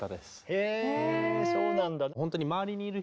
へそうなんだ。